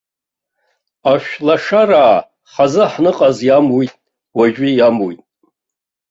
Ашәлашараа хазы ҳаныҟаз иамуит, уажәы иамуит.